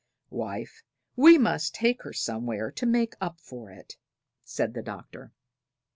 "Wife, we must take her somewhere to make up for it," said the Doctor.